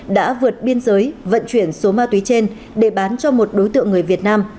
đã vượt biên giới vận chuyển số ma túy trên để bán cho một đối tượng người việt nam